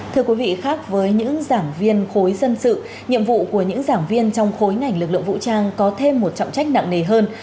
thưa quý vị khác với những giảng viên khối dân sự nhiệm vụ của những giảng viên trong khối ngành lực lượng vũ trang có thêm một trọng trách nặng nề hơn